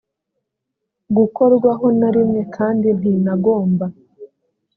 gukorwaho na rimwe kandi ntinagomba